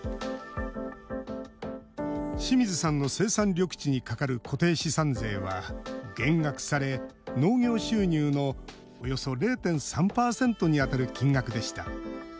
清水さんの生産緑地にかかる固定資産税は減額され農業収入のおよそ０．３％に当たる金額でした。